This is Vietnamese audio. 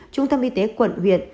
trung tâm y tế quận huyện